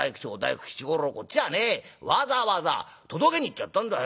こっちはねわざわざ届けに行ってやったんだよ！」。